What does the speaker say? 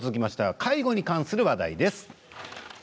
介護に関する話題です。